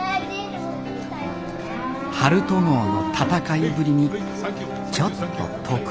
陽翔号の戦いぶりにちょっと得意げな